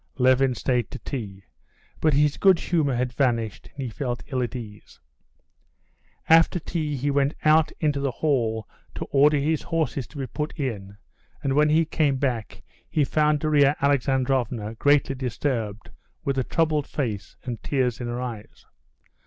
Levin stayed to tea; but his good humor had vanished, and he felt ill at ease. After tea he went out into the hall to order his horses to be put in, and, when he came back, he found Darya Alexandrovna greatly disturbed, with a troubled face, and tears in her eyes.